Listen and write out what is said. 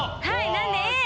なのでＡ！